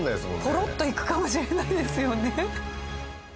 ポロッといくかもしれないですよね。